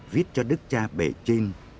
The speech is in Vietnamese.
viết cho đức cha bể trinh